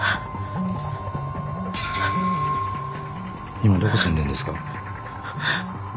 今どこ住んでるんですか？